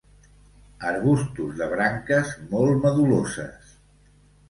Arbustos de branques molt medul·loses.